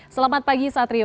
selamat pagi satrio